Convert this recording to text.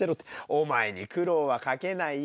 お前に苦労はかけないよ。